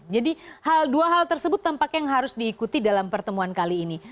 jadi dua hal tersebut tampaknya harus diikuti dalam pertemuan kali ini